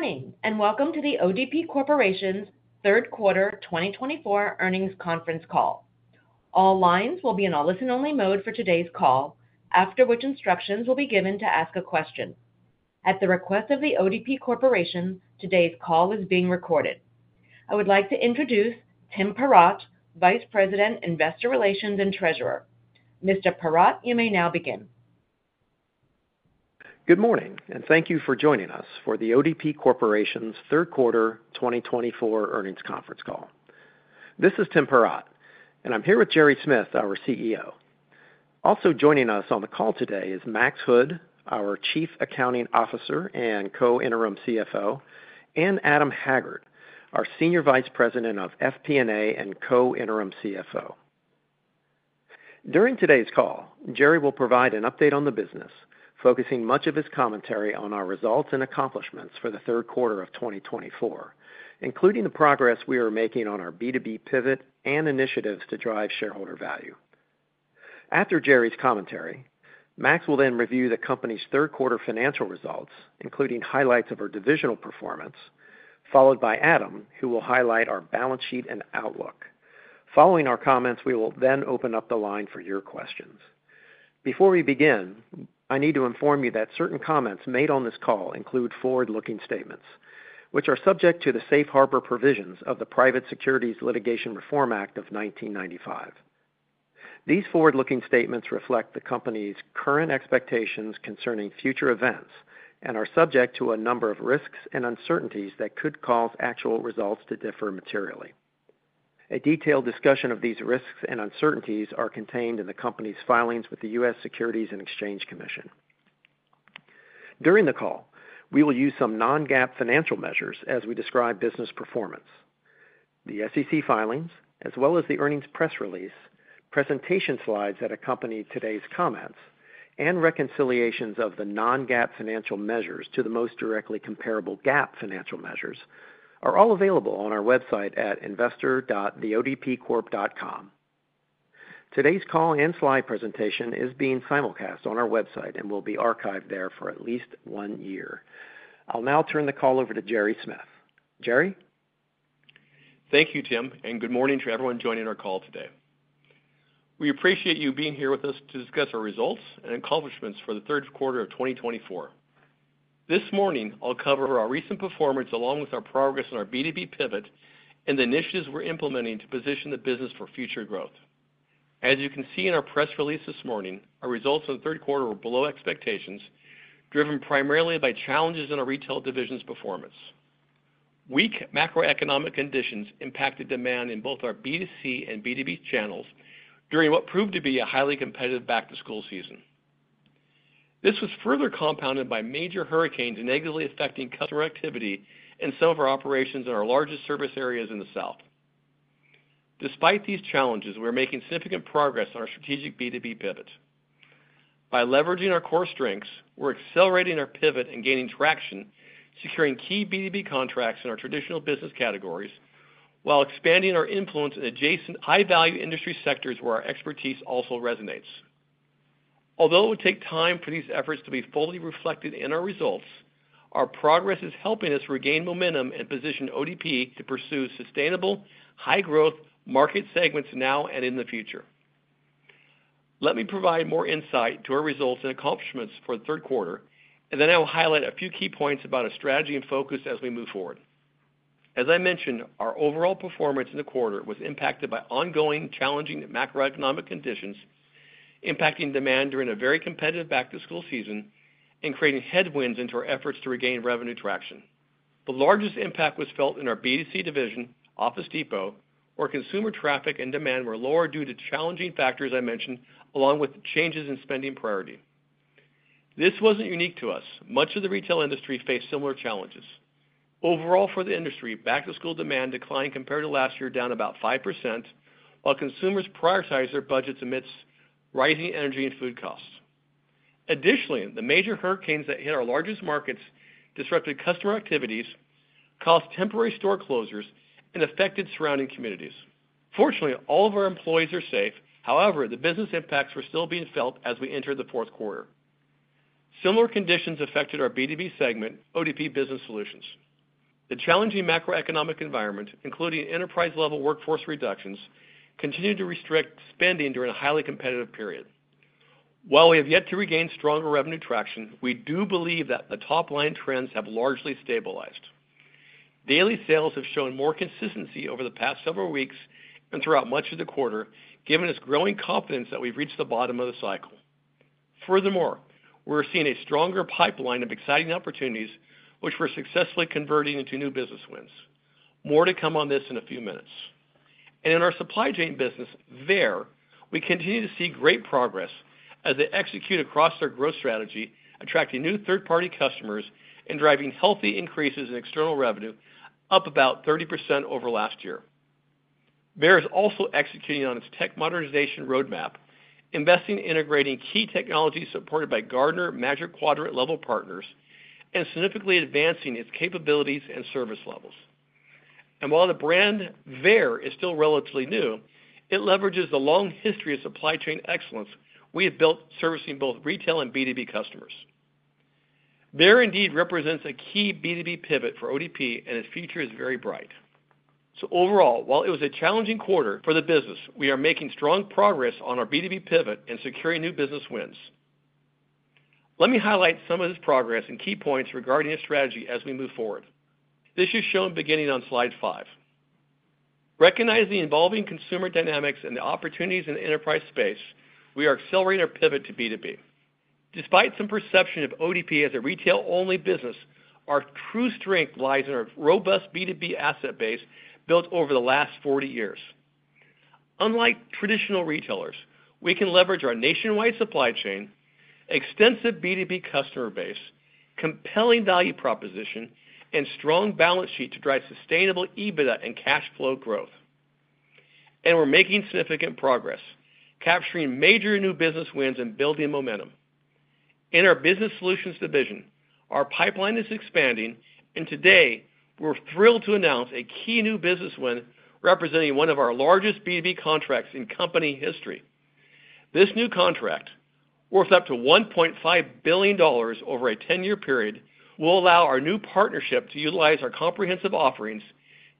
Good morning and welcome to the ODP Corporation's Third Quarter 2024 Earnings Conference Call. All lines will be in a listen-only mode for today's call, after which instructions will be given to ask a question. At the request of the ODP Corporation, today's call is being recorded. I would like to introduce Tim Perrott, Vice President, Investor Relations and Treasurer. Mr. Perrott, you may now begin. Good morning and thank you for joining us for the ODP Corporation's Third Quarter 2024 Earnings Conference Call. This is Tim Perrott, and I'm here with Gerry Smith, our CEO. Also joining us on the call today is Max Hood, our Chief Accounting Officer and Co-Interim CFO, and Adam Haggard, our Senior Vice President of FP&A and Co-Interim CFO. During today's call, Gerry will provide an update on the business, focusing much of his commentary on our results and accomplishments for the third quarter of 2024, including the progress we are making on our B2B pivot and initiatives to drive shareholder value. After Gerry's commentary, Max will then review the company's third quarter financial results, including highlights of our divisional performance, followed by Adam, who will highlight our balance sheet and outlook. Following our comments, we will then open up the line for your questions. Before we begin, I need to inform you that certain comments made on this call include forward-looking statements, which are subject to the safe harbor provisions of the Private Securities Litigation Reform Act of 1995. These forward-looking statements reflect the company's current expectations concerning future events and are subject to a number of risks and uncertainties that could cause actual results to differ materially. A detailed discussion of these risks and uncertainties is contained in the company's filings with the U.S. Securities and Exchange Commission. During the call, we will use some non-GAAP financial measures as we describe business performance. The SEC filings, as well as the earnings press release, presentation slides that accompany today's comments, and reconciliations of the non-GAAP financial measures to the most directly comparable GAAP financial measures are all available on our website at investor.theodpcorp.com. Today's call and slide presentation is being simulcast on our website and will be archived there for at least one year. I'll now turn the call over to Gerry Smith. Gerry? Thank you, Tim, and good morning to everyone joining our call today. We appreciate you being here with us to discuss our results and accomplishments for the third quarter of 2024. This morning, I'll cover our recent performance along with our progress on our B2B pivot and the initiatives we're implementing to position the business for future growth. As you can see in our press release this morning, our results in the third quarter were below expectations, driven primarily by challenges in our retail division's performance. Weak macroeconomic conditions impacted demand in both our B2C and B2B channels during what proved to be a highly competitive back-to-school season. This was further compounded by major hurricanes negatively affecting customer activity in some of our operations in our largest service areas in the South. Despite these challenges, we're making significant progress on our strategic B2B pivot. By leveraging our core strengths, we're accelerating our pivot and gaining traction, securing key B2B contracts in our traditional business categories while expanding our influence in adjacent high-value industry sectors where our expertise also resonates. Although it will take time for these efforts to be fully reflected in our results, our progress is helping us regain momentum and position ODP to pursue sustainable, high-growth market segments now and in the future. Let me provide more insight into our results and accomplishments for the third quarter, and then I'll highlight a few key points about our strategy and focus as we move forward. As I mentioned, our overall performance in the quarter was impacted by ongoing challenging macroeconomic conditions impacting demand during a very competitive back-to-school season and creating headwinds into our efforts to regain revenue traction. The largest impact was felt in our B2C division, Office Depot, where consumer traffic and demand were lower due to challenging factors I mentioned, along with changes in spending priority. This wasn't unique to us. Much of the retail industry faced similar challenges. Overall, for the industry, back-to-school demand declined compared to last year, down about 5%, while consumers prioritized their budgets amidst rising energy and food costs. Additionally, the major hurricanes that hit our largest markets disrupted customer activities, caused temporary store closures, and affected surrounding communities. Fortunately, all of our employees are safe. However, the business impacts were still being felt as we entered the fourth quarter. Similar conditions affected our B2B segment, ODP Business Solutions. The challenging macroeconomic environment, including enterprise-level workforce reductions, continued to restrict spending during a highly competitive period. While we have yet to regain stronger revenue traction, we do believe that the top-line trends have largely stabilized. Daily sales have shown more consistency over the past several weeks and throughout much of the quarter, giving us growing confidence that we've reached the bottom of the cycle. Furthermore, we're seeing a stronger pipeline of exciting opportunities, which we're successfully converting into new business wins. More to come on this in a few minutes. And in our supply chain business, Varis, we continue to see great progress as they execute across their growth strategy, attracting new third-party customers and driving healthy increases in external revenue, up about 30% over last year. Varis is also executing on its tech modernization roadmap, investing and integrating key technologies supported by Gartner Magic Quadrant-level partners and significantly advancing its capabilities and service levels. While the brand Varis is still relatively new, it leverages the long history of supply chain excellence we have built servicing both retail and B2B customers. Varis indeed represents a key B2B pivot for ODP, and its future is very bright. Overall, while it was a challenging quarter for the business, we are making strong progress on our B2B pivot and securing new business wins. Let me highlight some of this progress and key points regarding our strategy as we move forward. This is shown beginning on slide five. Recognizing the evolving consumer dynamics and the opportunities in the enterprise space, we are accelerating our pivot to B2B. Despite some perception of ODP as a retail-only business, our true strength lies in our robust B2B asset base built over the last 40 years. Unlike traditional retailers, we can leverage our nationwide supply chain, extensive B2B customer base, compelling value proposition, and strong balance sheet to drive sustainable EBITDA and cash flow growth. And we're making significant progress, capturing major new business wins and building momentum. In our Business Solutions division, our pipeline is expanding, and today we're thrilled to announce a key new business win representing one of our largest B2B contracts in company history. This new contract, worth up to $1.5 billion over a 10-year period, will allow our new partnership to utilize our comprehensive offerings,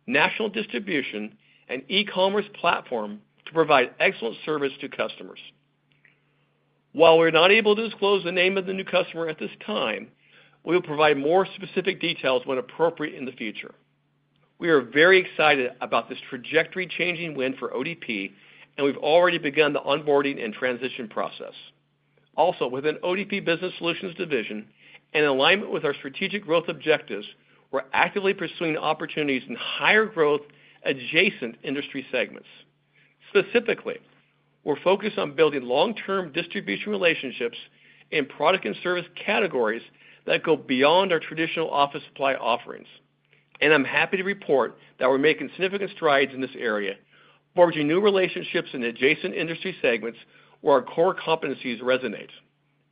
national distribution, and e-commerce platform to provide excellent service to customers. While we're not able to disclose the name of the new customer at this time, we will provide more specific details when appropriate in the future. We are very excited about this trajectory-changing win for ODP, and we've already begun the onboarding and transition process. Also, within ODP Business Solutions division, in alignment with our strategic growth objectives, we're actively pursuing opportunities in higher growth-adjacent industry segments. Specifically, we're focused on building long-term distribution relationships in product and service categories that go beyond our traditional office supply offerings. And I'm happy to report that we're making significant strides in this area, forging new relationships in adjacent industry segments where our core competencies resonate.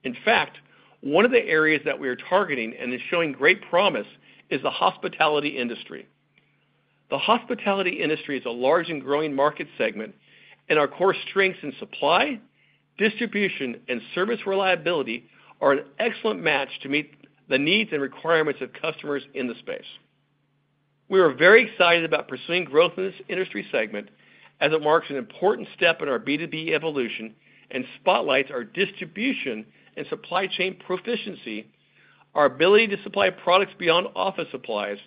In fact, one of the areas that we are targeting and is showing great promise is the hospitality industry. The hospitality industry is a large and growing market segment, and our core strengths in supply, distribution, and service reliability are an excellent match to meet the needs and requirements of customers in the space. We are very excited about pursuing growth in this industry segment as it marks an important step in our B2B evolution and spotlights our distribution and supply chain proficiency, our ability to supply products beyond office supplies,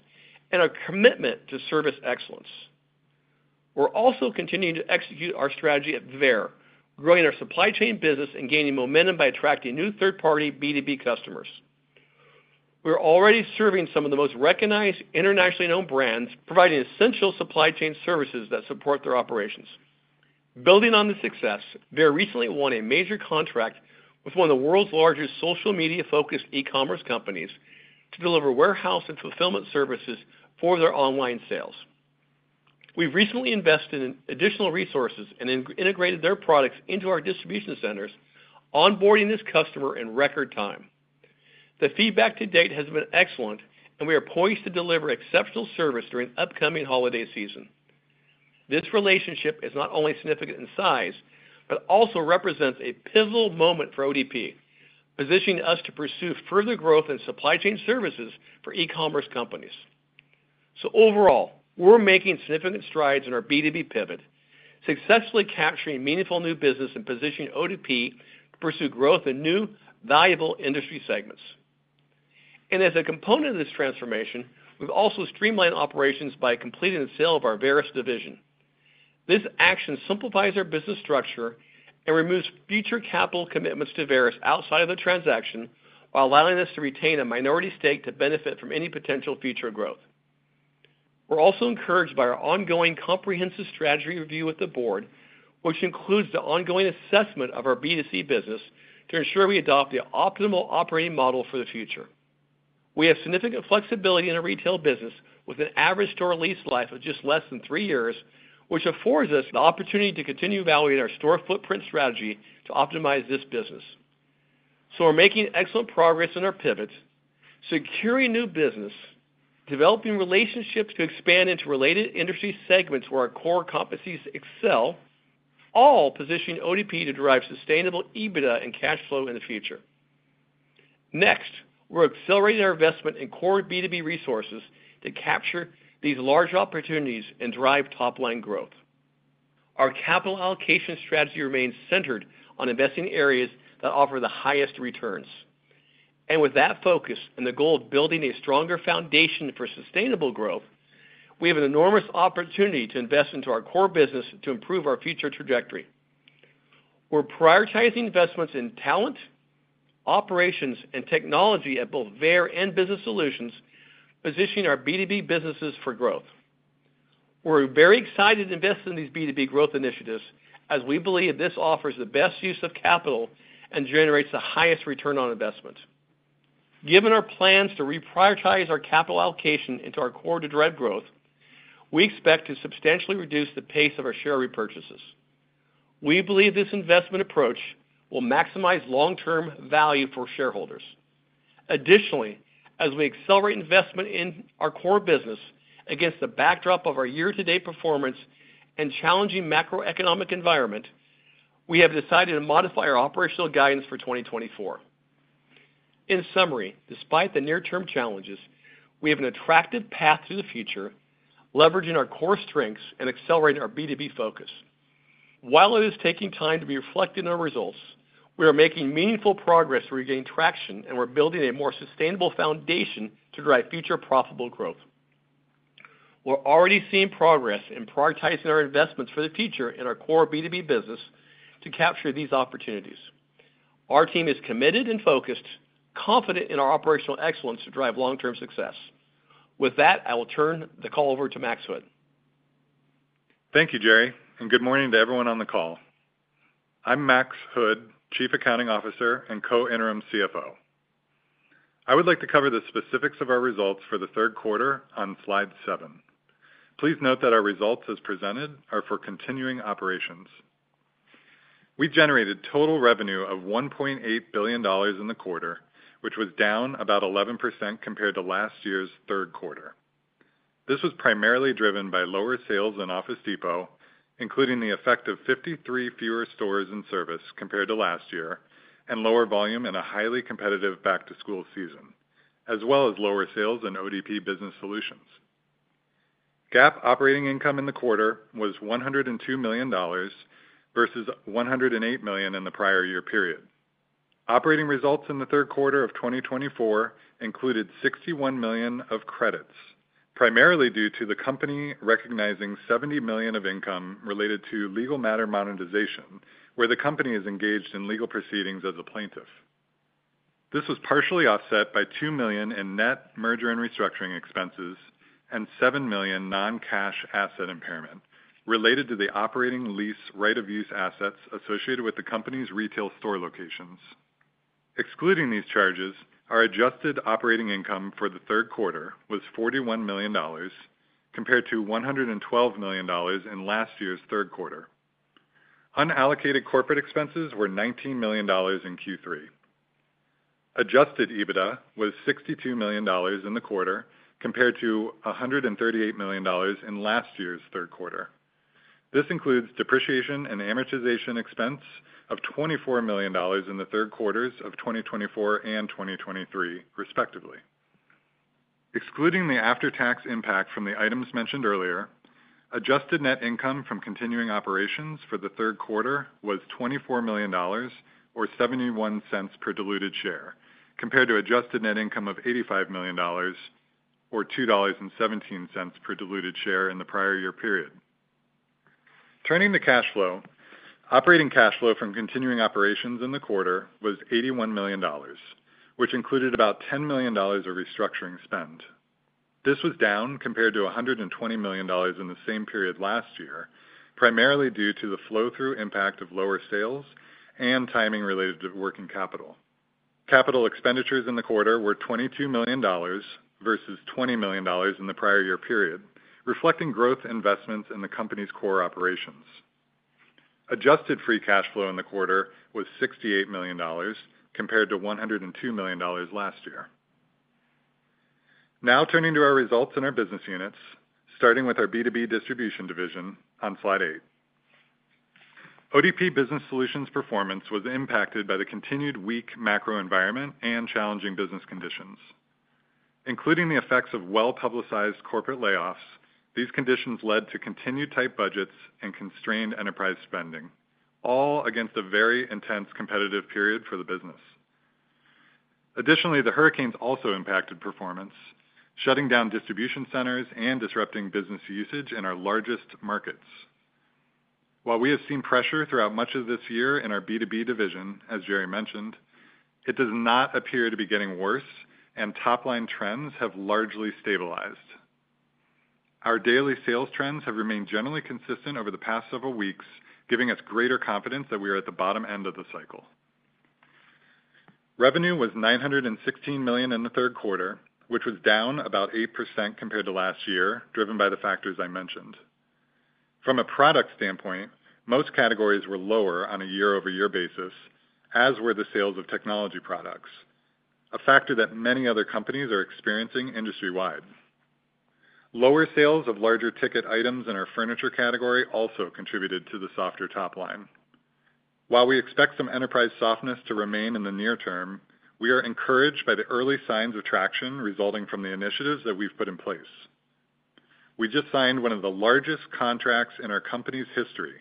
and our commitment to service excellence. We're also continuing to execute our strategy at Varis growing our supply chain business and gaining momentum by attracting new third-party B2B customers. We're already serving some of the most recognized internationally known brands, providing essential supply chain services that support their operations. Building on this success, Varis recently won a major contract with one of the world's largest social media-focused e-commerce companies to deliver warehouse and fulfillment services for their online sales. We've recently invested in additional resources and integrated their products into our distribution centers, onboarding this customer in record time. The feedback to date has been excellent, and we are poised to deliver exceptional service during the upcoming holiday season. This relationship is not only significant in size, but also represents a pivotal moment for ODP, positioning us to pursue further growth in supply chain services for e-commerce companies. So overall, we're making significant strides in our B2B pivot, successfully capturing meaningful new business and positioning ODP to pursue growth in new, valuable industry segments. And as a component of this transformation, we've also streamlined operations by completing the sale of our Varis division. This action simplifies our business structure and removes future capital commitments to Varis outside of the transaction while allowing us to retain a minority stake to benefit from any potential future growth. We're also encouraged by our ongoing comprehensive strategy review with the board, which includes the ongoing assessment of our B2C business to ensure we adopt the optimal operating model for the future. We have significant flexibility in our retail business with an average store lease life of just less than three years, which affords us the opportunity to continue evaluating our store footprint strategy to optimize this business. So we're making excellent progress in our pivot, securing new business, developing relationships to expand into related industry segments where our core competencies excel, all positioning ODP to drive sustainable EBITDA and cash flow in the future. Next, we're accelerating our investment in core B2B resources to capture these large opportunities and drive top-line growth. Our capital allocation strategy remains centered on investing in areas that offer the highest returns. And with that focus and the goal of building a stronger foundation for sustainable growth, we have an enormous opportunity to invest into our core business to improve our future trajectory. We're prioritizing investments in talent, operations, and technology at both Varis and Business Solutions, positioning our B2B businesses for growth. We're very excited to invest in these B2B growth initiatives as we believe this offers the best use of capital and generates the highest return on investment. Given our plans to reprioritize our capital allocation into our core to drive growth, we expect to substantially reduce the pace of our share repurchases. We believe this investment approach will maximize long-term value for shareholders. Additionally, as we accelerate investment in our core business against the backdrop of our year-to-date performance and challenging macroeconomic environment, we have decided to modify our operational guidance for 2024. In summary, despite the near-term challenges, we have an attractive path to the future, leveraging our core strengths and accelerating our B2B focus. While it is taking time to be reflected in our results, we are making meaningful progress where we gain traction and we're building a more sustainable foundation to drive future profitable growth. We're already seeing progress in prioritizing our investments for the future in our core B2B business to capture these opportunities. Our team is committed and focused, confident in our operational excellence to drive long-term success. With that, I will turn the call over to Max Hood. Thank you, Gerry, and good morning to everyone on the call. I'm Max Hood, Chief Accounting Officer and Co-Interim CFO. I would like to cover the specifics of our results for the third quarter on slide seven. Please note that our results as presented are for continuing operations. We generated total revenue of $1.8 billion in the quarter, which was down about 11% compared to last year's third quarter. This was primarily driven by lower sales in Office Depot, including the effect of 53 fewer stores in service compared to last year and lower volume in a highly competitive back-to-school season, as well as lower sales in ODP Business Solutions. GAAP operating income in the quarter was $102 million versus $108 million in the prior year period. Operating results in the third quarter of 2024 included $61 million of credits, primarily due to the company recognizing $70 million of income related to legal matter monetization, where the company is engaged in legal proceedings as a plaintiff. This was partially offset by $2 million in net merger and restructuring expenses and $7 million non-cash asset impairment related to the operating lease right-of-use assets associated with the company's retail store locations. Excluding these charges, our adjusted operating income for the third quarter was $41 million, compared to $112 million in last year's third quarter. Unallocated corporate expenses were $19 million in Q3. Adjusted EBITDA was $62 million in the quarter, compared to $138 million in last year's third quarter. This includes depreciation and amortization expense of $24 million in the third quarters of 2024 and 2023, respectively. Excluding the after-tax impact from the items mentioned earlier, adjusted net income from continuing operations for the third quarter was $24 million, or $0.71 per diluted share, compared to adjusted net income of $85 million, or $2.17 per diluted share in the prior year period. Turning to cash flow, operating cash flow from continuing operations in the quarter was $81 million, which included about $10 million of restructuring spend. This was down compared to $120 million in the same period last year, primarily due to the flow-through impact of lower sales and timing related to working capital. Capital expenditures in the quarter were $22 million versus $20 million in the prior year period, reflecting growth investments in the company's core operations. Adjusted free cash flow in the quarter was $68 million, compared to $102 million last year. Now turning to our results in our business units, starting with our B2B distribution division on Slide 8. ODP Business Solutions performance was impacted by the continued weak macro environment and challenging business conditions. Including the effects of well-publicized corporate layoffs, these conditions led to continued tight budgets and constrained enterprise spending, all against a very intense competitive period for the business. Additionally, the hurricanes also impacted performance, shutting down distribution centers and disrupting business usage in our largest markets. While we have seen pressure throughout much of this year in our B2B division, as Gerry mentioned, it does not appear to be getting worse, and top-line trends have largely stabilized. Our daily sales trends have remained generally consistent over the past several weeks, giving us greater confidence that we are at the bottom end of the cycle. Revenue was $916 million in the third quarter, which was down about 8% compared to last year, driven by the factors I mentioned. From a product standpoint, most categories were lower on a year over year basis, as were the sales of technology products, a factor that many other companies are experiencing industry-wide. Lower sales of larger ticket items in our furniture category also contributed to the softer top line. While we expect some enterprise softness to remain in the near term, we are encouraged by the early signs of traction resulting from the initiatives that we've put in place. We just signed one of the largest contracts in our company's history,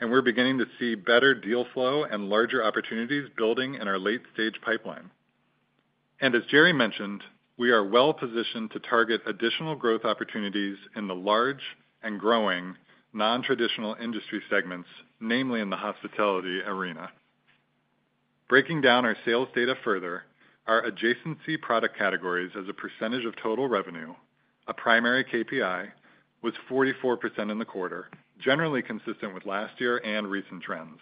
and we're beginning to see better deal flow and larger opportunities building in our late-stage pipeline, and as Gerry mentioned, we are well-positioned to target additional growth opportunities in the large and growing non-traditional industry segments, namely in the hospitality arena. Breaking down our sales data further, our adjacency product categories as a percentage of total revenue, a primary KPI, was 44% in the quarter, generally consistent with last year and recent trends.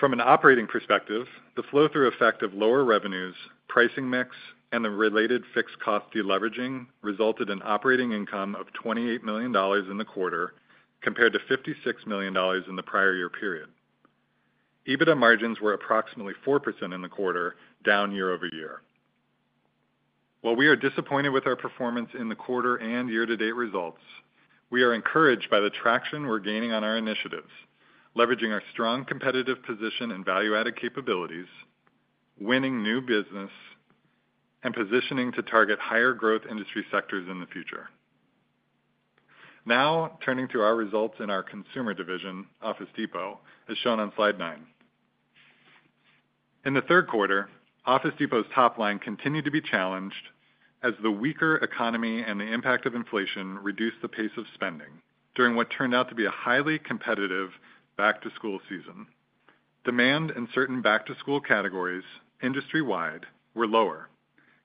From an operating perspective, the flow-through effect of lower revenues, pricing mix, and the related fixed cost deleveraging resulted in operating income of $28 million in the quarter compared to $56 million in the prior year period. EBITDA margins were approximately 4% in the quarter, down year over year. While we are disappointed with our performance in the quarter and year-to-date results, we are encouraged by the traction we're gaining on our initiatives, leveraging our strong competitive position and value-added capabilities, winning new business, and positioning to target higher growth industry sectors in the future. Now turning to our results in our consumer division, Office Depot, as shown on Slide 9. In the third quarter, Office Depot's top line continued to be challenged as the weaker economy and the impact of inflation reduced the pace of spending during what turned out to be a highly competitive back-to-school season. Demand in certain back-to-school categories industry-wide was lower,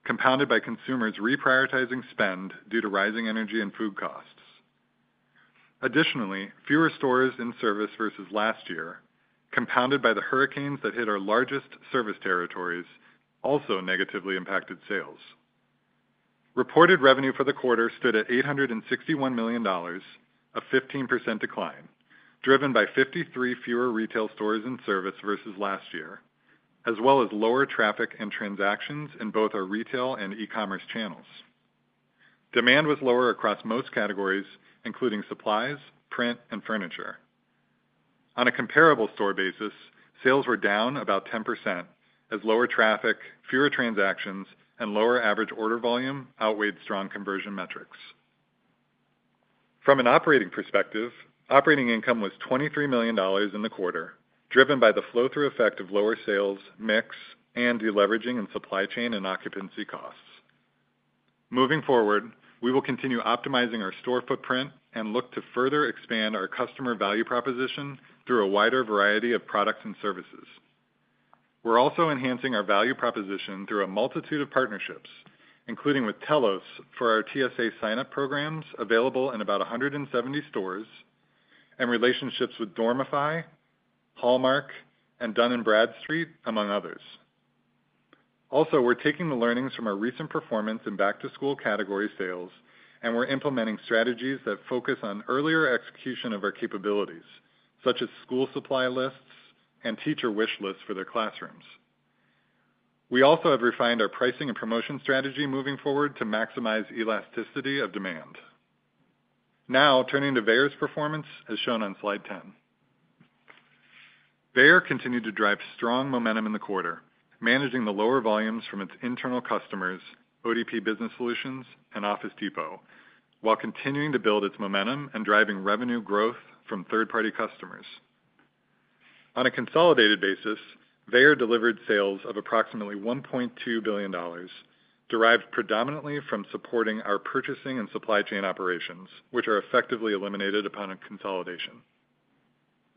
compounded by consumers reprioritizing spend due to rising energy and food costs. Additionally, fewer stores in service versus last year, compounded by the hurricanes that hit our largest service territories, also negatively impacted sales. Reported revenue for the quarter stood at $861 million, a 15% decline, driven by 53 fewer retail stores in service versus last year, as well as lower traffic and transactions in both our retail and e-commerce channels. Demand was lower across most categories, including supplies, print, and furniture. On a comparable store basis, sales were down about 10%, as lower traffic, fewer transactions, and lower average order volume outweighed strong conversion metrics. From an operating perspective, operating income was $23 million in the quarter, driven by the flow-through effect of lower sales, mix, and deleveraging in supply chain and occupancy costs. Moving forward, we will continue optimizing our store footprint and look to further expand our customer value proposition through a wider variety of products and services. We're also enhancing our value proposition through a multitude of partnerships, including with Telos for our TSA sign-up programs available in about 170 stores and relationships with Dormify, Hallmark, and Dun & Bradstreet, among others. Also, we're taking the learnings from our recent performance in back-to-school category sales, and we're implementing strategies that focus on earlier execution of our capabilities, such as school supply lists and teacher wish lists for their classrooms. We also have refined our pricing and promotion strategy moving forward to maximize elasticity of demand. Now turning to Varis's performance, as shown on Slide 10. Varis continued to drive strong momentum in the quarter, managing the lower volumes from its internal customers, ODP Business Solutions, and Office Depot, while continuing to build its momentum and driving revenue growth from third-party customers. On a consolidated basis, Varis delivered sales of approximately $1.2 billion, derived predominantly from supporting our purchasing and supply chain operations, which are effectively eliminated upon consolidation.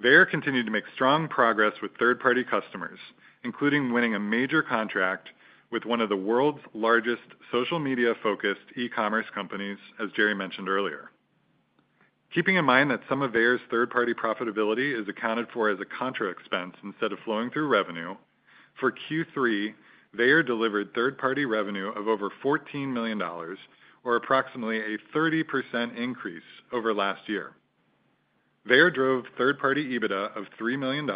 Varis continued to make strong progress with third-party customers, including winning a major contract with one of the world's largest social media-focused e-commerce companies, as Gerry mentioned earlier. Keeping in mind that some of Varis's third-party profitability is accounted for as a contra expense instead of flowing through revenue, for Q3, Varis delivered third-party revenue of over $14 million, or approximately a 30% increase over last year. Varis drove third-party EBITDA of $3 million,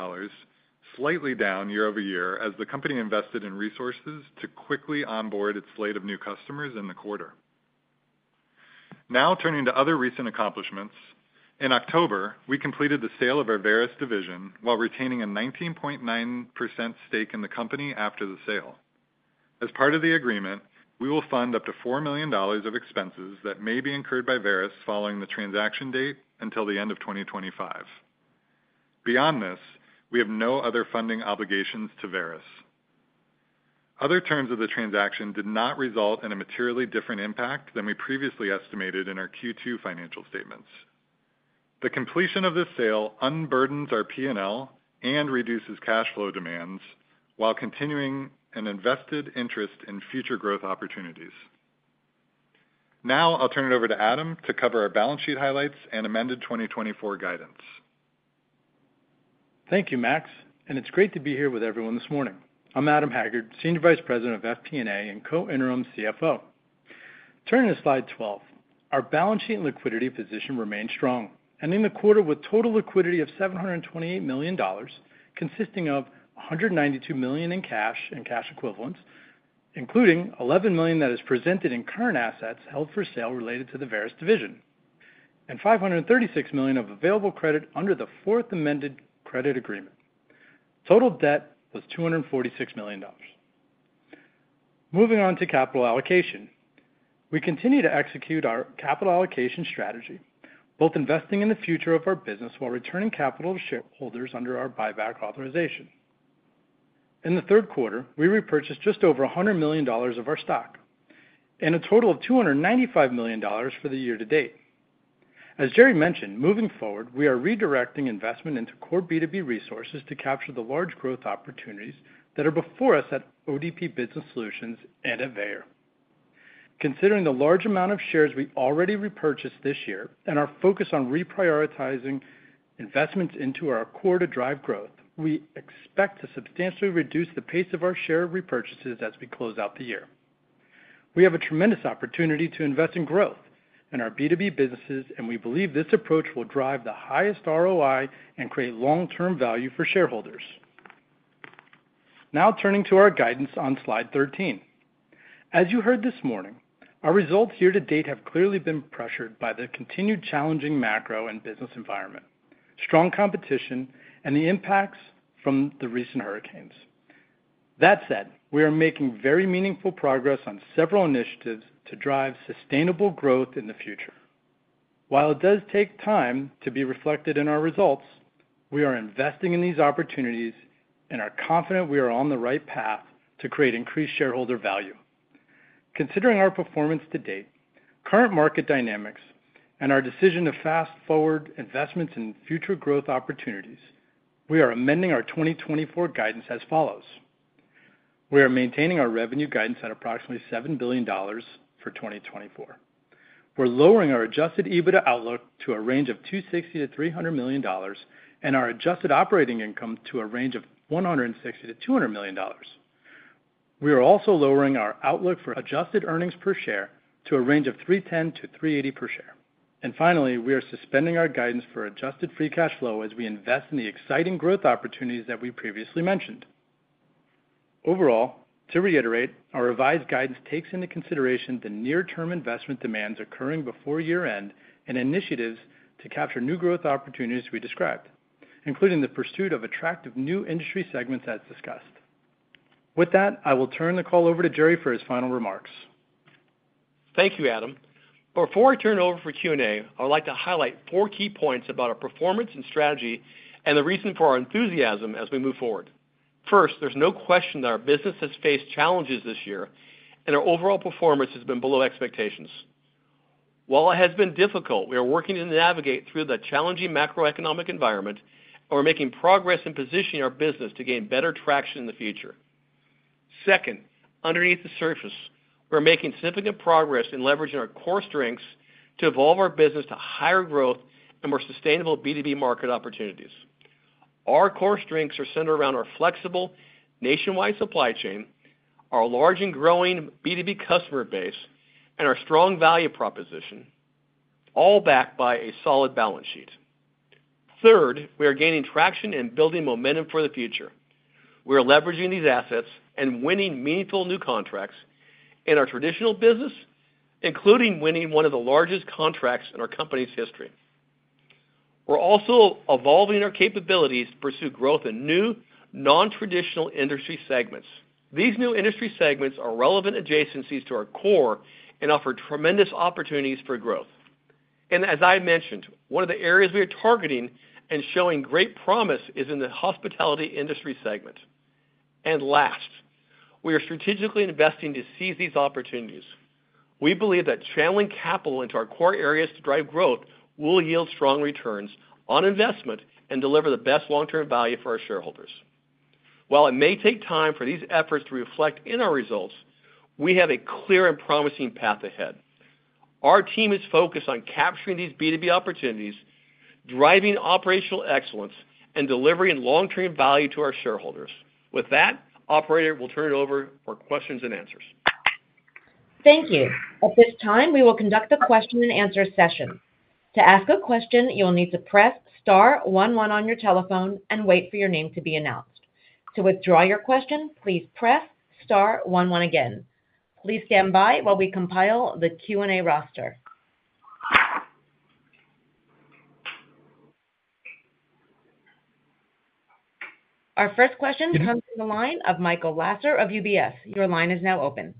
slightly down year over year as the company invested in resources to quickly onboard its slate of new customers in the quarter. Now turning to other recent accomplishments, in October, we completed the sale of our Varis division while retaining a 19.9% stake in the company after the sale. As part of the agreement, we will fund up to $4 million of expenses that may be incurred by Varis following the transaction date until the end of 2025. Beyond this, we have no other funding obligations to Varis. Other terms of the transaction did not result in a materially different impact than we previously estimated in our Q2 financial statements. The completion of this sale unburdens our P&L and reduces cash flow demands while continuing an invested interest in future growth opportunities. Now I'll turn it over to Adam to cover our balance sheet highlights and amended 2024 guidance. Thank you, Max. It's great to be here with everyone this morning. I'm Adam Haggard, Senior Vice President of FP&A and Co-Interim CFO. Turning to Slide 12, our balance sheet and liquidity position remained strong, ending the quarter with total liquidity of $728 million, consisting of $192 million in cash and cash equivalents, including $11 million that is presented in current assets held for sale related to the Varis division, and $536 million of available credit under the Fourth Amended Credit Agreement. Total debt was $246 million. Moving on to capital allocation, we continue to execute our capital allocation strategy, both investing in the future of our business while returning capital to shareholders under our buyback authorization. In the third quarter, we repurchased just over $100 million of our stock and a total of $295 million for the year to date. As Gerry mentioned, moving forward, we are redirecting investment into core B2B resources to capture the large growth opportunities that are before us at ODP Business Solutions and at Varis. Considering the large amount of shares we already repurchased this year and our focus on reprioritizing investments into our core to drive growth, we expect to substantially reduce the pace of our share repurchases as we close out the year. We have a tremendous opportunity to invest in growth in our B2B businesses, and we believe this approach will drive the highest ROI and create long-term value for shareholders. Now turning to our guidance on Slide 13. As you heard this morning, our results year to date have clearly been pressured by the continued challenging macro and business environment, strong competition, and the impacts from the recent hurricanes. That said, we are making very meaningful progress on several initiatives to drive sustainable growth in the future. While it does take time to be reflected in our results, we are investing in these opportunities and are confident we are on the right path to create increased shareholder value. Considering our performance to date, current market dynamics, and our decision to fast-forward investments in future growth opportunities, we are amending our 2024 guidance as follows. We are maintaining our revenue guidance at approximately $7 billion for 2024. We're lowering our adjusted EBITDA outlook to a range of $260 to $300 million and our adjusted operating income to a range of $160 to $200 million. We are also lowering our outlook for adjusted earnings per share to a range of $3.10 to $3.80 per share. Finally, we are suspending our guidance for adjusted free cash flow as we invest in the exciting growth opportunities that we previously mentioned. Overall, to reiterate, our revised guidance takes into consideration the near-term investment demands occurring before year-end and initiatives to capture new growth opportunities we described, including the pursuit of attractive new industry segments as discussed. With that, I will turn the call over to Gerry for his final remarks. Thank you, Adam. Before I turn it over for Q and A, I would like to highlight four key points about our performance and strategy and the reason for our enthusiasm as we move forward. First, there's no question that our business has faced challenges this year, and our overall performance has been below expectations. While it has been difficult, we are working to navigate through the challenging macroeconomic environment and we're making progress in positioning our business to gain better traction in the future. Second, underneath the surface, we're making significant progress in leveraging our core strengths to evolve our business to higher growth and more sustainable B2B market opportunities. Our core strengths are centered around our flexible nationwide supply chain, our large and growing B2B customer base, and our strong value proposition, all backed by a solid balance sheet. Third, we are gaining traction and building momentum for the future. We are leveraging these assets and winning meaningful new contracts in our traditional business, including winning one of the largest contracts in our company's history. We're also evolving our capabilities to pursue growth in new non-traditional industry segments. These new industry segments are relevant adjacencies to our core and offer tremendous opportunities for growth, and as I mentioned, one of the areas we are targeting and showing great promise is in the hospitality industry segment. And last, we are strategically investing to seize these opportunities. We believe that channeling capital into our core areas to drive growth will yield strong returns on investment and deliver the best long-term value for our shareholders. While it may take time for these efforts to reflect in our results, we have a clear and promising path ahead. Our team is focused on capturing these B2B opportunities, driving operational excellence, and delivering long-term value to our shareholders. With that, Operator, we'll turn it over for questions and answers. Thank you. At this time, we will conduct a question and answer session. To ask a question, you'll need to press star 11 on your telephone and wait for your name to be announced. To withdraw your question, please press star 11 again. Please stand by while we compile the Q and A roster. Our first question comes from the line of Michael Lasser of UBS. Your line is now open.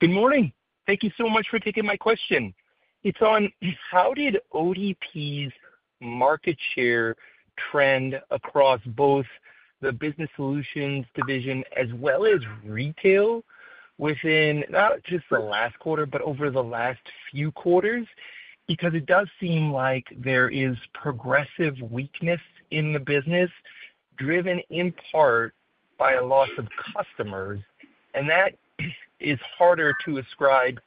Good morning. Thank you so much for taking my question. It's on how did ODP's market share trend across both the business solutions division as well as retail within not just the last quarter, but over the last few quarters? Because it does seem like there is progressive weakness in the business driven in part by a loss of customers, and that is harder to ascribe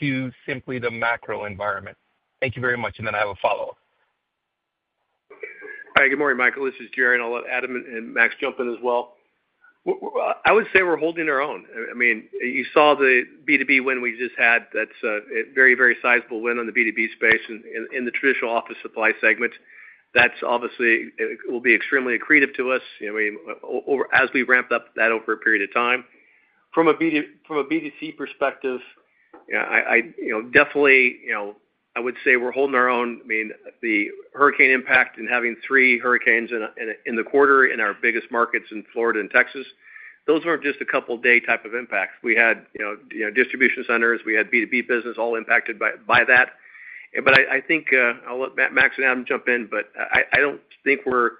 to simply the macro environment. Thank you very much. And then I have a follow-up. Hi. Good morning, Michael. This is Gerry. And I'll let Adam and Max jump in as well. I would say we're holding our own. I mean, you saw the B2B win we just had. That's a very, very sizable win on the B2B space in the traditional office supply segment. That's obviously will be extremely accretive to us as we ramp up that over a period of time. From a B2C perspective, definitely, I would say we're holding our own. I mean, the hurricane impact and having three hurricanes in the quarter in our biggest markets in Florida and Texas, those weren't just a couple-day type of impacts. We had distribution centers. We had B2B business all impacted by that. But I think I'll let Max and Adam jump in, but I don't think we're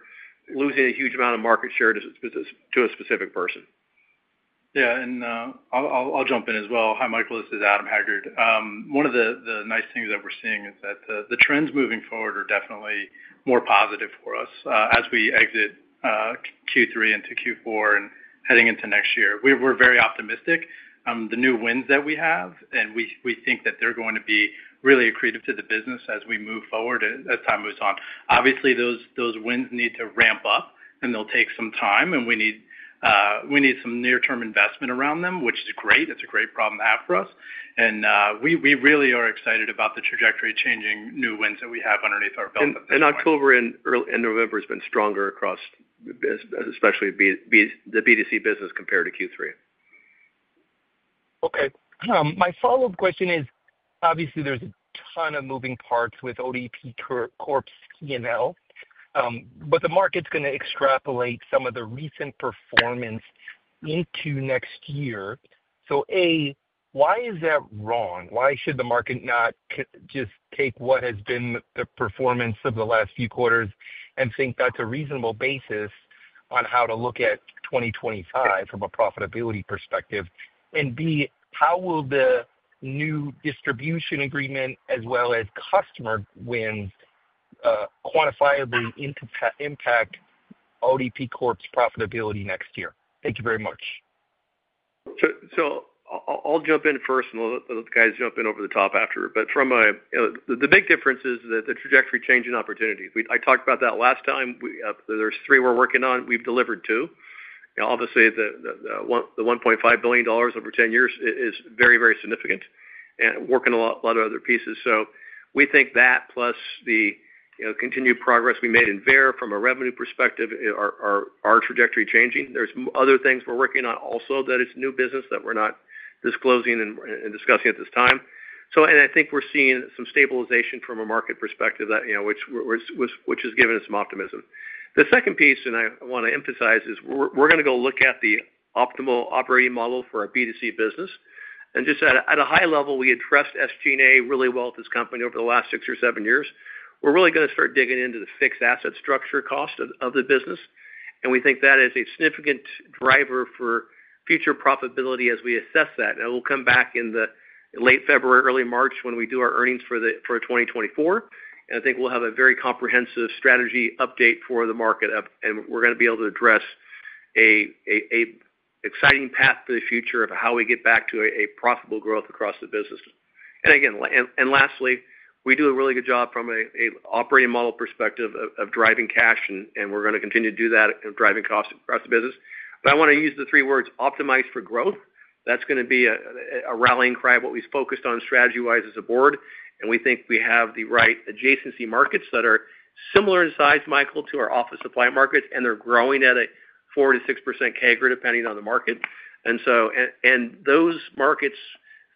losing a huge amount of market share to a specific person. Yeah. And I'll jump in as well. Hi, Michael. This is Adam Haggard. One of the nice things that we're seeing is that the trends moving forward are definitely more positive for us as we exit Q3 into Q4 and heading into next year. We're very optimistic. The new wins that we have, and we think that they're going to be really accretive to the business as we move forward as time moves on. Obviously, those wins need to ramp up, and they'll take some time, and we need some near-term investment around them, which is great. It's a great problem to have for us. And we really are excited about the trajectory changing new wins that we have underneath our belt. And October and November have been stronger across especially the B2C business compared to Q3. Okay. My follow-up question is, obviously, there's a ton of moving parts with ODP Corp's P&L, but the market's going to extrapolate some of the recent performance into next year. So A, why is that wrong? Why should the market not just take what has been the performance of the last few quarters and think that's a reasonable basis on how to look at 2025 from a profitability perspective? And B, how will the new distribution agreement as well as customer wins quantifiably impact ODP Corp.'s profitability next year? Thank you very much. So I'll jump in first, and the guys jump in over the top afterward. But the big difference is the trajectory change in opportunity. I talked about that last time. There's three we're working on. We've delivered two. Obviously, the $1.5 billion over 10 years is very, very significant and working a lot of other pieces. So we think that plus the continued progress we made in Varis from a revenue perspective are trajectory changing. There's other things we're working on also that it's new business that we're not disclosing and discussing at this time. And I think we're seeing some stabilization from a market perspective, which has given us some optimism. The second piece, and I want to emphasize, is we're going to go look at the optimal operating model for our B2C business. And just at a high level, we addressed SG&A really well at this company over the last six or seven years. We're really going to start digging into the fixed asset structure cost of the business, and we think that is a significant driver for future profitability as we assess that. And it will come back in late February, early March when we do our earnings for 2024. And I think we'll have a very comprehensive strategy update for the market, and we're going to be able to address an exciting path for the future of how we get back to a profitable growth across the business. And again, lastly, we do a really good job from an operating model perspective of driving cash, and we're going to continue to do that of driving costs across the business. But I want to use the three words optimize for growth. That's going to be a rallying cry of what we've focused on strategy-wise as a board. And we think we have the right adjacency markets that are similar in size, Michael, to our office supply markets, and they're growing at a 4%-6% CAGR depending on the market. And those markets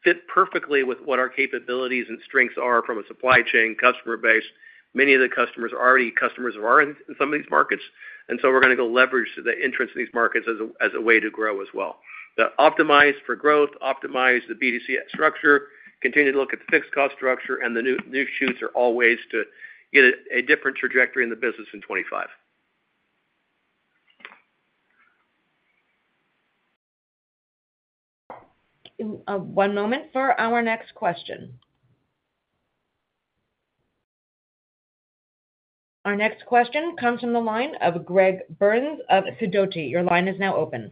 fit perfectly with what our capabilities and strengths are from a supply chain customer base. Many of the customers are already customers of ours in some of these markets. And so we're going to go leverage the entrance of these markets as a way to grow as well. Optimize for growth, optimize the B2C structure, continue to look at the fixed cost structure, and the new shoots are always to get a different trajectory in the business in 2025. One moment for our next question. Our next question comes from the line of Greg Burns of Sidoti. Your line is now open.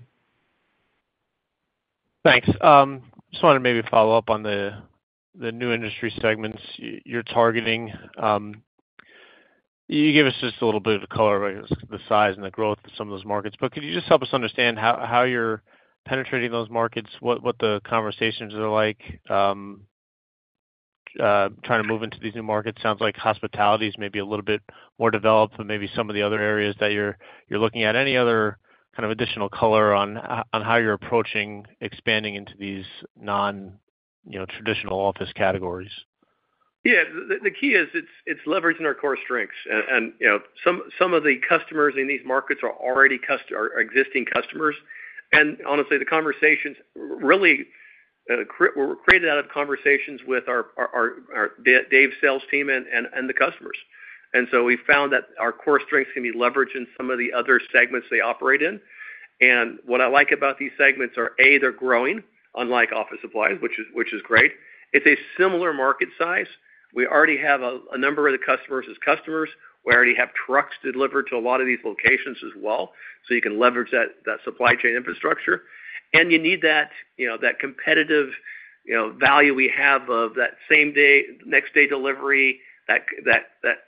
Thanks. Just wanted to maybe follow up on the new industry segments you're targeting. You gave us just a little bit of color about the size and the growth of some of those markets. But could you just help us understand how you're penetrating those markets, what the conversations are like, trying to move into these new markets? Sounds like hospitality is maybe a little bit more developed, but maybe some of the other areas that you're looking at. Any other kind of additional color on how you're approaching expanding into these non-traditional office categories? Yeah. The key is, it's leveraging our core strengths, and some of the customers in these markets are already existing customers, and honestly, the conversations really were created out of conversations with our B2B sales team and the customers, and so we found that our core strengths can be leveraged in some of the other segments they operate in, and what I like about these segments are, A, they're growing, unlike office supplies, which is great. It's a similar market size. We already have a number of the customers as customers. We already have trucks delivered to a lot of these locations as well, so you can leverage that supply chain infrastructure. And you need that competitive value we have of that same-day, next-day delivery, that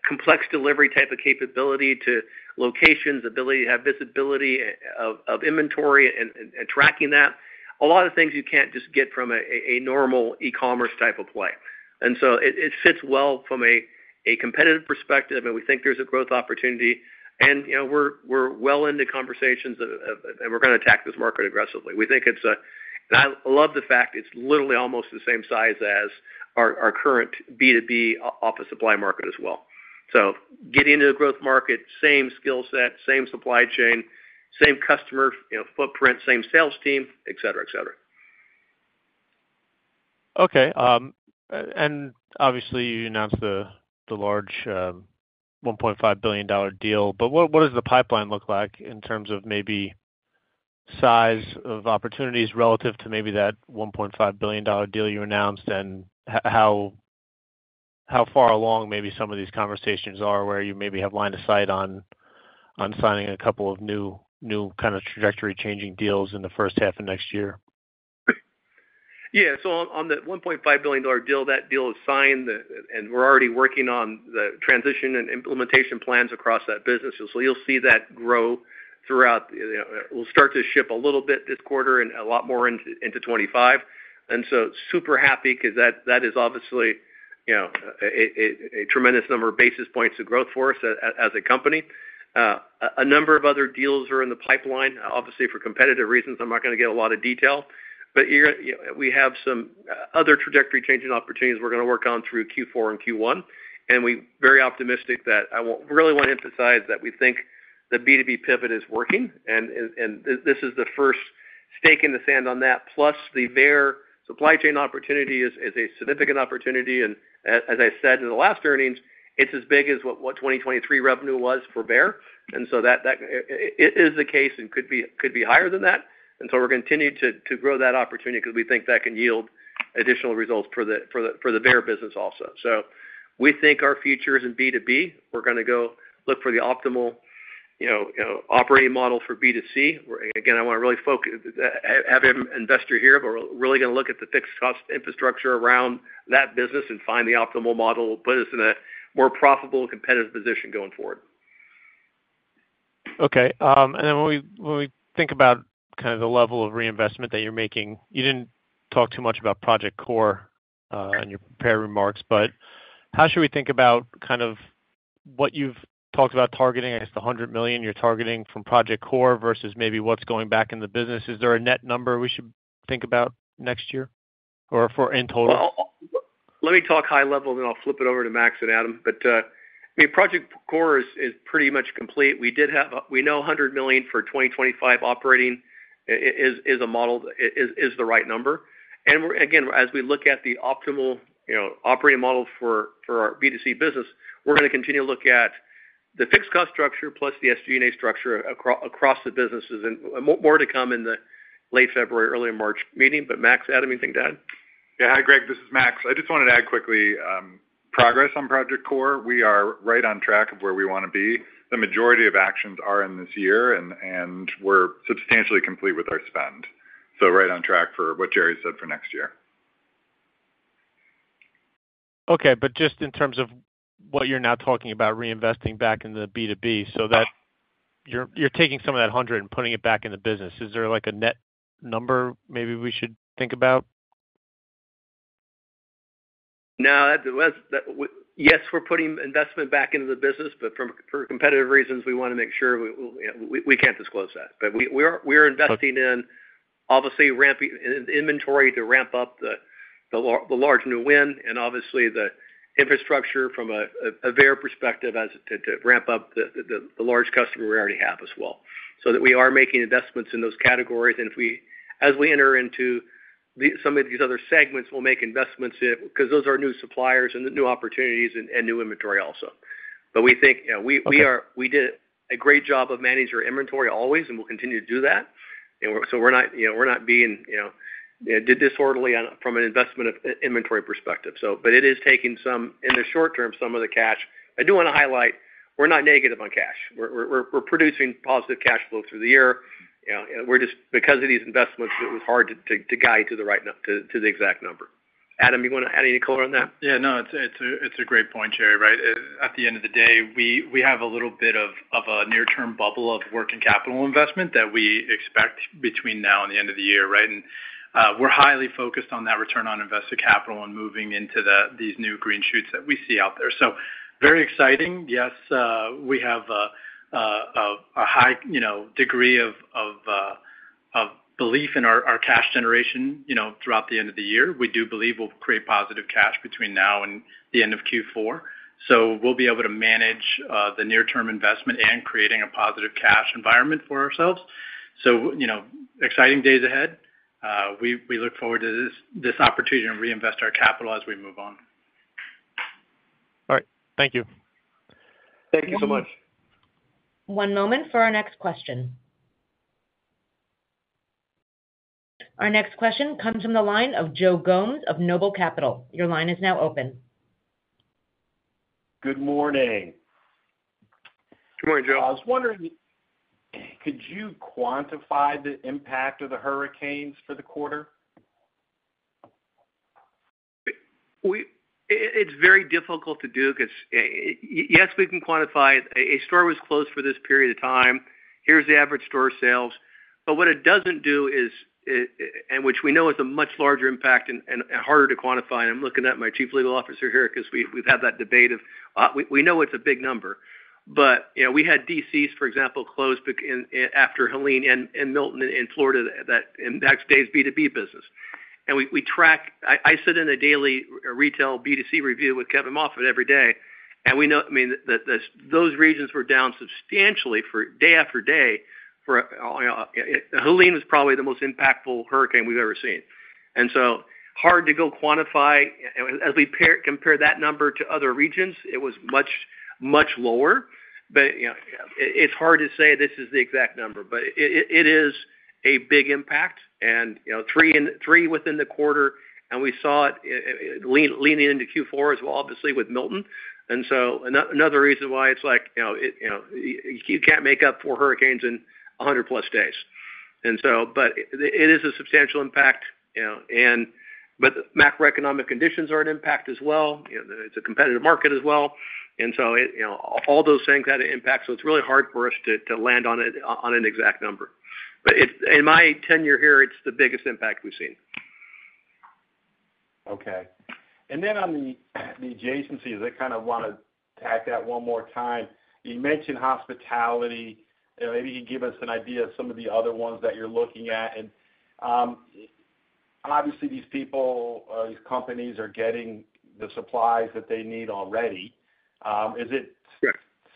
complex delivery type of capability to locations, ability to have visibility of inventory and tracking that. A lot of things you can't just get from a normal e-commerce type of play. And so it fits well from a competitive perspective, and we think there's a growth opportunity. And we're well into conversations, and we're going to attack this market aggressively. We think it's a, and I love the fact it's literally almost the same size as our current B2B office supply market as well. So getting into a growth market, same skill set, same supply chain, same customer footprint, same sales team, etc., etc. Okay. And obviously, you announced the large $1.5 billion deal. But what does the pipeline look like in terms of maybe size of opportunities relative to maybe that $1.5 billion deal you announced? How far along maybe some of these conversations are where you maybe have a line of sight on signing a couple of new kind of trajectory-changing deals in the first half of next year? Yeah. On the $1.5 billion deal, that deal is signed, and we're already working on the transition and implementation plans across that business. You'll see that grow throughout. We'll start to ship a little bit this quarter and a lot more into 2025. Super happy because that is obviously a tremendous number of basis points of growth for us as a company. A number of other deals are in the pipeline. Obviously, for competitive reasons, I'm not going to get a lot of detail. We have some other trajectory-changing opportunities we're going to work on through Q4 and Q1. And we're very optimistic that I really want to emphasize that we think the B2B pivot is working. And this is the first stake in the sand on that. Plus, the Varis supply chain opportunity is a significant opportunity. And as I said in the last earnings, it's as big as what 2023 revenue was for Varis. And so that is the case and could be higher than that. And so we're continuing to grow that opportunity because we think that can yield additional results for the Varis business also. So we think our future is in B2B. We're going to go look for the optimal operating model for B2C. Again, I want to really have an investor here, but we're really going to look at the fixed cost infrastructure around that business and find the optimal model, put us in a more profitable competitive position going forward. Okay. And then when we think about kind of the level of reinvestment that you're making, you didn't talk too much about Project Core in your prepared remarks. But how should we think about kind of what you've talked about targeting? I guess the $100 million you're targeting from Project Core versus maybe what's going back in the business. Is there a net number we should think about next year or for in total? Let me talk high level, and then I'll flip it over to Max and Adam. But I mean, Project Core is pretty much complete. We know $100 million for 2025 operating is the right number. And again, as we look at the optimal operating model for our B2C business, we're going to continue to look at the fixed cost structure plus the SG&A structure across the businesses. And more to come in the late February, early March meeting. But Max, Adam, anything to add? Yeah. Hi, Greg. This is Max. I just wanted to add quickly progress on Project Core. We are right on track of where we want to be. The majority of actions are in this year, and we're substantially complete with our spend. So right on track for what Gerry said for next year. Okay. But just in terms of what you're now talking about reinvesting back in the B2B, so that you're taking some of that 100 and putting it back in the business. Is there a net number maybe we should think about? No. Yes, we're putting investment back into the business, but for competitive reasons, we want to make sure we can't disclose that. But we are investing in, obviously, inventory to ramp up the large new win and obviously the infrastructure from a Varis perspective to ramp up the large customer we already have as well. So that we are making investments in those categories. And as we enter into some of these other segments, we'll make investments because those are new suppliers and new opportunities and new inventory also. But we think we did a great job of managing our inventory always, and we'll continue to do that. And so we're doing this orderly from an investment inventory perspective. But it is taking some, in the short term, some of the cash. I do want to highlight we're not negative on cash. We're producing positive cash flow through the year. Because of these investments, it was hard to guide to the exact number. Adam, you want to add any color on that? Yeah. No, it's a great point, Gerry, right? At the end of the day, we have a little bit of a near-term bubble of working capital investment that we expect between now and the end of the year, right? And we're highly focused on that return on invested capital and moving into these new green shoots that we see out there. So very exciting. Yes, we have a high degree of belief in our cash generation throughout the end of the year. We do believe we'll create positive cash between now and the end of Q4. So we'll be able to manage the near-term investment and creating a positive cash environment for ourselves. So exciting days ahead. We look forward to this opportunity to reinvest our capital as we move on. All right. Thank you. Thank you so much. One moment for our next question. Our next question comes from the line of Joe Gomes of Noble Capital. Your line is now open. Good morning. Good morning, Joe. I was wondering, could you quantify the impact of the hurricanes for the quarter? It's very difficult to do because, yes, we can quantify it. A store was closed for this period of time. Here's the average store sales. But what it doesn't do is, and which we know is a much larger impact and harder to quantify. And I'm looking at my Chief Legal Officer here because we've had that debate of we know it's a big number. But we had DCs, for example, closed after Helene and Milton in Florida that impacted Dave's B2B business. And I sit in a daily retail B2C review with Kevin Moffitt every day. And I mean, those regions were down substantially day after day. Helene was probably the most impactful hurricane we've ever seen. And so it's hard to quantify. As we compare that number to other regions, it was much, much lower. But it's hard to say this is the exact number. But it is a big impact. And three within the quarter. And we saw it leaning into Q4 as well, obviously, with Milton. And so another reason why it's like you can't make up for hurricanes in 100-plus days. But it is a substantial impact. But macroeconomic conditions are an impact as well. It's a competitive market as well. And so all those things had an impact. So it's really hard for us to land on an exact number. But in my tenure here, it's the biggest impact we've seen. Okay. And then on the adjacencies, I kind of want to touch on that one more time. You mentioned hospitality. Maybe you can give us an idea of some of the other ones that you're looking at. And obviously, these people, these companies are getting the supplies that they need already. Is it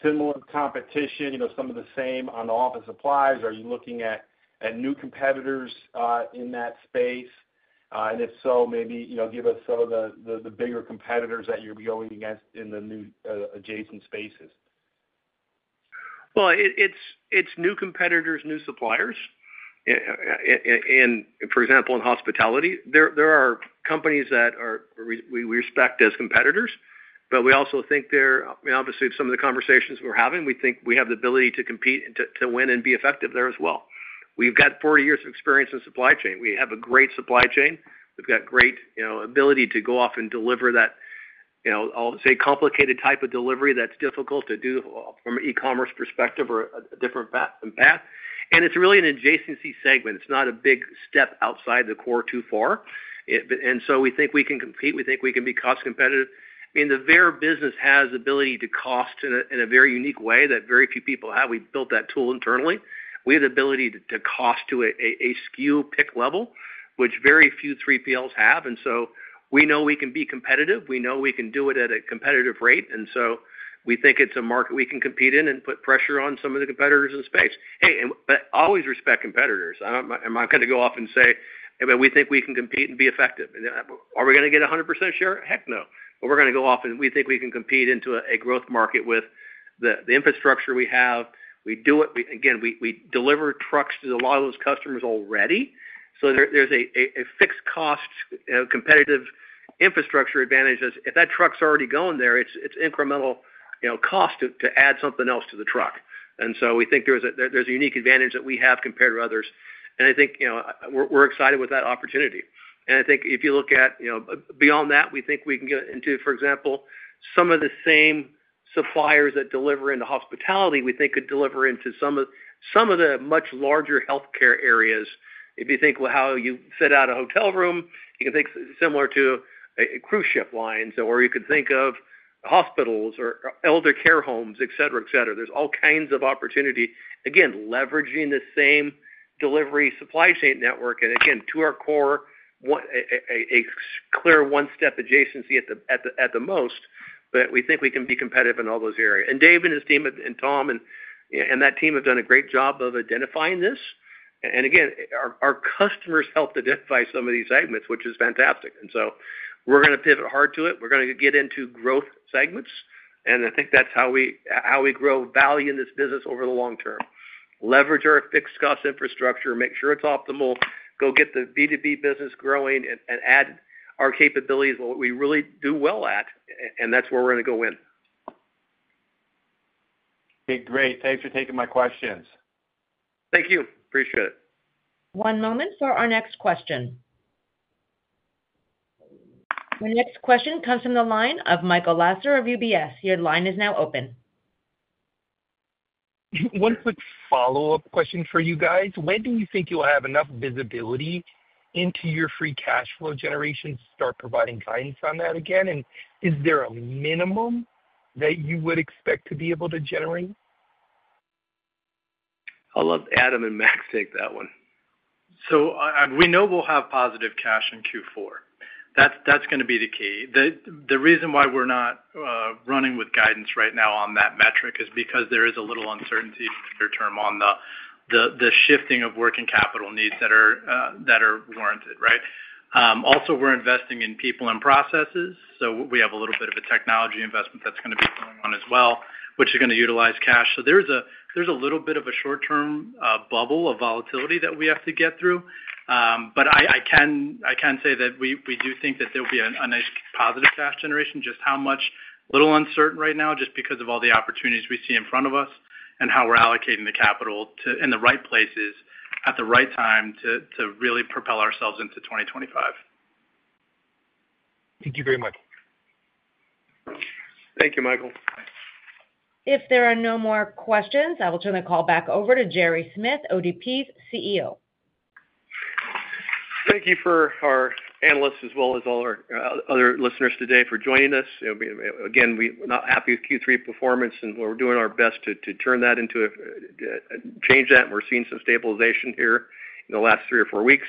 similar competition, some of the same on office supplies? Are you looking at new competitors in that space? And if so, maybe give us some of the bigger competitors that you're going against in the new adjacent spaces. Well, it's new competitors, new suppliers. And for example, in hospitality, there are companies that we respect as competitors. But we also think they're obviously some of the conversations we're having. We think we have the ability to compete and to win and be effective there as well. We've got 40 years of experience in supply chain. We have a great supply chain. We've got great ability to go off and deliver that, I'll say, complicated type of delivery that's difficult to do from an e-commerce perspective or a different path, and it's really an adjacency segment. It's not a big step outside the core too far, and so we think we can compete. We think we can be cost competitive. I mean, the Varis business has the ability to cost in a very unique way that very few people have. We built that tool internally. We have the ability to cost to a SKU pick level, which very few 3PLs have, and so we know we can be competitive. We know we can do it at a competitive rate, and so we think it's a market we can compete in and put pressure on some of the competitors in the space, but always respect competitors. I'm not going to go off and say, "We think we can compete and be effective." Are we going to get a 100% share? Heck no. But we're going to go off and we think we can compete into a growth market with the infrastructure we have. Again, we deliver trucks to a lot of those customers already. So there's a fixed cost competitive infrastructure advantage. If that truck's already going there, it's incremental cost to add something else to the truck. And so we think there's a unique advantage that we have compared to others. And I think we're excited with that opportunity. And I think if you look at beyond that, we think we can get into, for example, some of the same suppliers that deliver into hospitality we think could deliver into some of the much larger healthcare areas. If you think of how you set out a hotel room, you can think similar to a cruise ship line, or you could think of hospitals or elder care homes, etc., etc. There's all kinds of opportunity. Again, leveraging the same delivery supply chain network. And again, to our core, a clear one-step adjacency at the most. But we think we can be competitive in all those areas. And Dave and his team and Tom and that team have done a great job of identifying this. And again, our customers helped identify some of these segments, which is fantastic. And so we're going to pivot hard to it. We're going to get into growth segments. And I think that's how we grow value in this business over the long term. Leverage our fixed cost infrastructure, make sure it's optimal, go get the B2B business growing, and add our capabilities to what we really do well at. And that's where we're going to go in. Okay. Great. Thanks for taking my questions. Thank you. Appreciate it. One moment for our next question. Our next question comes from the line of Michael Lasser of UBS. Your line is now open. One quick follow-up question for you guys. When do you think you'll have enough visibility into your free cash flow generation to start providing guidance on that again? And is there a minimum that you would expect to be able to generate? I'll let Adam and Max take that one. So we know we'll have positive cash in Q4. That's going to be the key. The reason why we're not running with guidance right now on that metric is because there is a little uncertainty in the near term on the shifting of working capital needs that are warranted, right? Also, we're investing in people and processes, so we have a little bit of a technology investment that's going to be going on as well, which is going to utilize cash, so there's a little bit of a short-term bubble of volatility that we have to get through, but I can say that we do think that there'll be a nice positive cash generation. Just how much is a little uncertain right now, just because of all the opportunities we see in front of us and how we're allocating the capital in the right places at the right time to really propel ourselves into 2025. Thank you very much. Thank you, Michael. If there are no more questions, I will turn the call back over to Gerry Smith, ODP's CEO. Thank you for our analysts as well as all our other listeners today for joining us. Again, we're not happy with Q3 performance, and we're doing our best to turn that into a change that. We're seeing some stabilization here in the last three or four weeks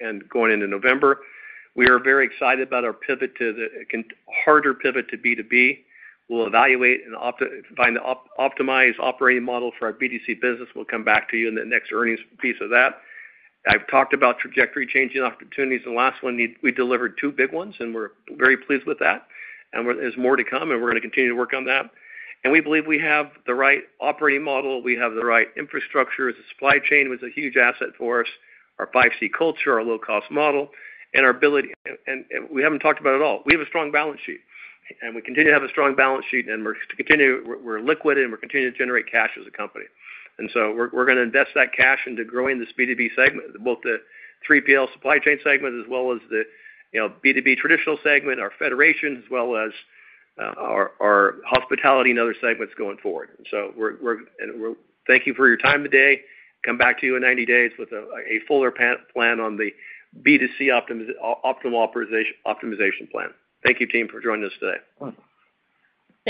and going into November. We are very excited about our pivot to the harder pivot to B2B. We'll evaluate and find the optimized operating model for our B2C business. We'll come back to you in the next earnings piece of that. I've talked about trajectory-changing opportunities. The last one, we delivered two big ones, and we're very pleased with that. There's more to come, and we're going to continue to work on that. We believe we have the right operating model. We have the right infrastructure. The supply chain was a huge asset for us, our 5C Culture, our low-cost model, and we haven't talked about it at all. We have a strong balance sheet, and we continue to have a strong balance sheet, and we're liquid, and we're continuing to generate cash as a company. And so we're going to invest that cash into growing this B2B segment, both the 3PL supply chain segment as well as the B2B traditional segment, our Federation, as well as our hospitality and other segments going forward, so thank you for your time today. Come back to you in 90 days with a fuller plan on the B2C optimal optimization plan. Thank you, team, for joining us today.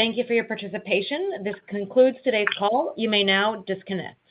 Thank you for your participation. This concludes today's call. You may now disconnect.